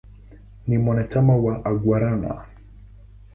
Ni mwanachama wa "Aguaruna".